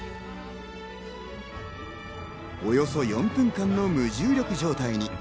およそ４分間の無重力状態に。